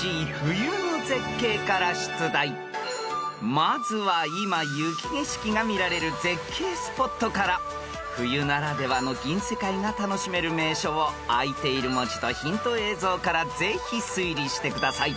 ［まずは今雪景色が見られる絶景スポットから冬ならではの銀世界が楽しめる名所をあいている文字とヒント映像からぜひ推理してください］